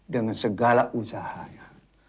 dengan segala usahanya